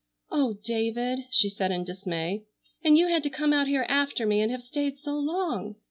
"Oh, David!" she said in dismay. "And you had to come out here after me, and have stayed so long!